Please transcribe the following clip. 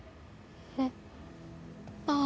えっ？あっ。